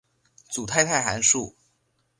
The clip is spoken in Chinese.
组态态函数。